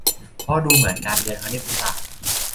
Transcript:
เพราะดูเหมือนการเรียนคณิตศาสตร์